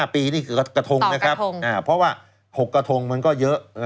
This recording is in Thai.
ปีนี่คือกระทงนะครับเพราะว่า๖กระทงมันก็เยอะ